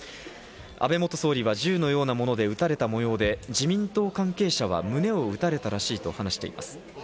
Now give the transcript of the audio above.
安倍元総理は銃のようなもので撃たれた模様で自民党関係者は胸を撃たれたらしいと話しています。